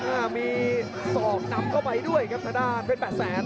อ้าวมีสอบนำเข้าไปด้วยครับภรรรดะเป็นแปดแสน